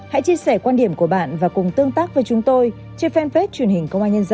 hãy chia sẻ quan điểm của bạn và cùng tương tác với chúng tôi trên fanpage truyền hình công an nhân dân